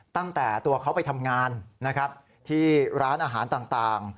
ตั้งแต่ตัวเขาไปทำงานนะครับที่ร้านอาหารต่าง